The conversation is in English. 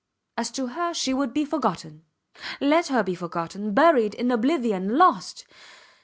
As to her she would be forgotten. Let her be forgotten buried in oblivion lost!